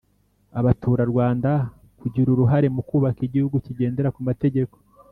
Abaturarwanda kugira uruhare mu kubaka Igihugu kigendera ku mategeko